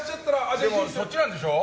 でもそっちなんでしょ？